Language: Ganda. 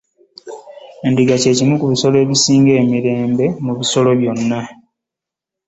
Endiga kye kimu ku bisolo ebisinga emirembe mu bisolo byonna.